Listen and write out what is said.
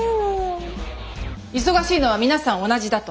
忙しいのは皆さん同じだと。